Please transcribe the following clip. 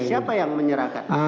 siapa yang menyerahkan